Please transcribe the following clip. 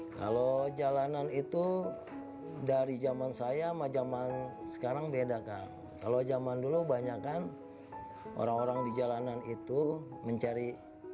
kalau zaman sekarang beda kalau zaman dulu banyak kan orang orang di jalanan itu mencari